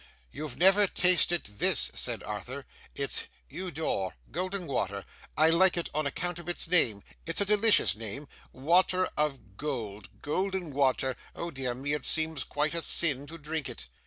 'You never tasted this,' said Arthur. 'It's EAU D'OR golden water. I like it on account of its name. It's a delicious name. Water of gold, golden water! O dear me, it seems quite a sin to drink it!